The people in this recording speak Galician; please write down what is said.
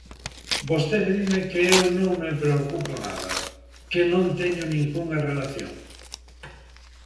Vostede dime que eu non me preocupo nada, que non teño ningunha relación.